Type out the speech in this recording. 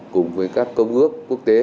cùng với các công ước quốc tế